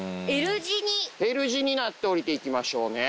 Ｌ字になっておりていきましょうね。